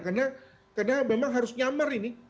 karena memang harus nyamar ini